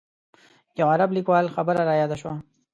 یو عرب لیکوال خبره رایاده شوه.